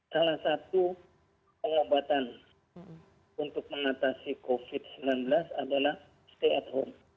salah satu pengobatan untuk mengatasi covid sembilan belas adalah stay at home